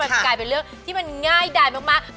จะกลายเป็นเรื่องที่มันง่ายดายมาก